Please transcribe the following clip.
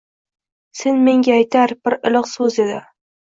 Sen menga aytgan bir iliq so‘z edi…